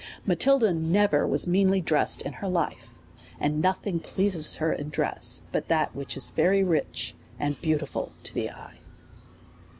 Matilda never was meanly dressed in her life ; and nothing pleases her in dress but that which is very rich and beautiful to the eye.